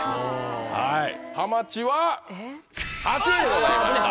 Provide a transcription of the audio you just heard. はいはまちは８位でございました！